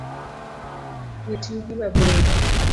Wit yugi mabor